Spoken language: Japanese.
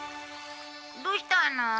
「どうしたの？」